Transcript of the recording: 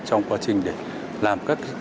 trong quá trình để làm các thiết kế